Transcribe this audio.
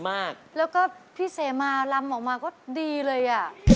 มากแล้วก็พี่เสมาลำออกมาก็ดีเลยอ่ะ